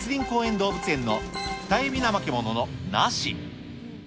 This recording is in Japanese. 動物園のフタユビナマケモノのナシ。